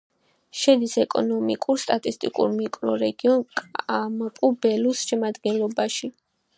შედის ეკონომიკურ-სტატისტიკურ მიკრორეგიონ კამპუ-ბელუს შემადგენლობაში.